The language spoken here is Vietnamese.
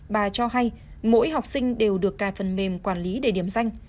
bà cho hay mỗi học sinh đều được cài phần mềm quản lý để điểm danh